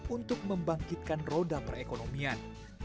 untuk membangkitkan roda perekonomian